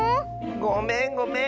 ごめんごめん。